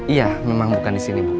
iya memang bukan di sini bu